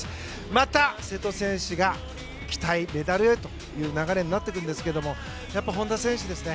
また、瀬戸選手が期待メダルへという流れになっていくんですがやっぱり本多選手ですね。